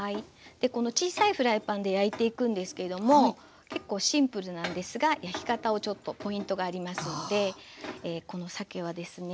でこの小さいフライパンで焼いていくんですけれども結構シンプルなんですが焼き方をちょっとポイントがありますのでこのさけはですね